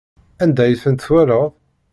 Anda ay tent-twalaḍ?